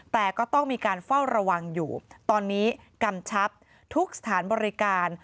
แต่ก็ต้องมีการเฝ้าระวังอยู่ตอนนี้กำชับทุกสถานบริการ